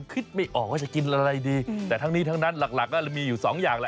คิดไม่ออกว่าจะกินอะไรดีแต่ทั้งนี้ทั้งนั้นหลักก็มีอยู่สองอย่างแหละ